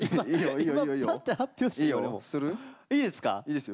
いいですか。